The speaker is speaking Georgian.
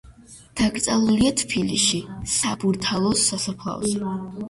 დაკრძალულია თბილისში, საბურთალოს სასაფლაოზე.